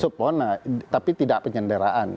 supona tapi tidak penyanderaan